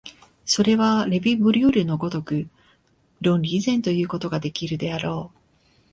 それはレヴィ・ブリュールの如く論理以前ということができるであろう。